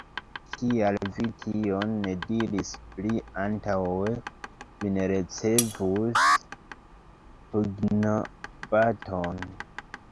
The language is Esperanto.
Kial vi tion ne diris pli antaŭe, vi ne ricevus pugnobaton!